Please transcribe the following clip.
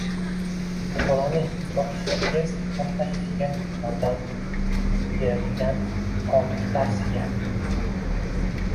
Bolaning bog‘chaga tez moslashishiga yordam beradiganoltitavsiya